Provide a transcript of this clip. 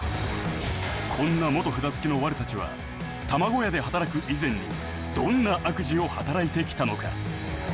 こんな元札付きのワルたちは玉子屋で働く以前にどんな悪事を働いてきたのか？